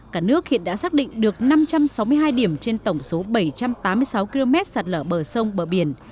cả nước hiện đã xác định được năm trăm sáu mươi hai điểm trên tổng số bảy trăm tám mươi sáu km sạt lở bờ sông bờ biển